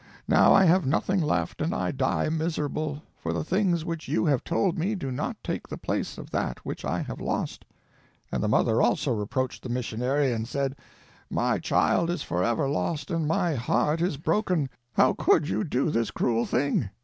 Now I have nothing left, and I die miserable; for the things which you have told me do not take the place of that which I have lost_." And the mother, also, reproached the missionary, and said: "_My child is forever lost, and my heart is broken. How could you do this cruel thing?